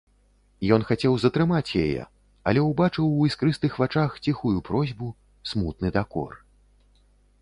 Ён хацеў затрымаць яе, але ўбачыў у іскрыстых вачах ціхую просьбу, смутны дакор.